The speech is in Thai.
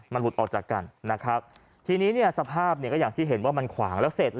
มันหลุดออกจากกันนะครับทีนี้เนี่ยสภาพเนี่ยก็อย่างที่เห็นว่ามันขวางแล้วเสร็จ